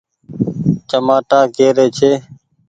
چمآٽآ ڪي ري ڇي ۔